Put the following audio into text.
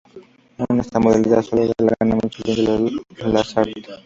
En esta modalidad, sólo le gana Michelín de Lasarte.